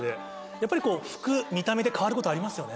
やっぱり服見た目で変わることありますよね。